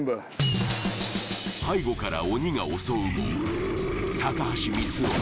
背後から鬼が襲うも高橋光臣